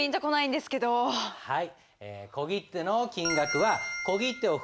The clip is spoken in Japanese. はい。